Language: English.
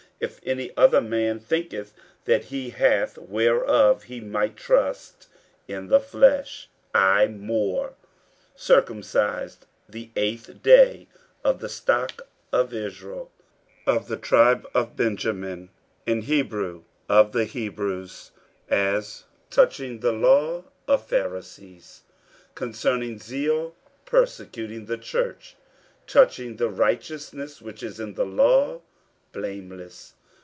If any other man thinketh that he hath whereof he might trust in the flesh, I more: 50:003:005 Circumcised the eighth day, of the stock of Israel, of the tribe of Benjamin, an Hebrew of the Hebrews; as touching the law, a Pharisee; 50:003:006 Concerning zeal, persecuting the church; touching the righteousness which is in the law, blameless.